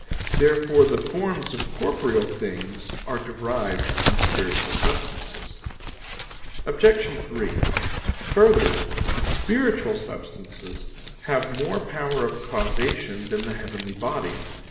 Therefore the forms of corporeal things are derived from spiritual substances. Obj. 3: Further, spiritual substances have more power of causation than the heavenly bodies.